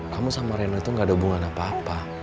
kamu sama rena itu gak ada hubungan apa apa